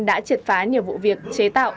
đã triệt phá nhiều vụ việc chế tạo